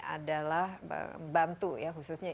adalah membantu ya khususnya